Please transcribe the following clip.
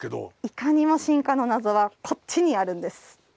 いかにも進化の謎はこっちにあるんです。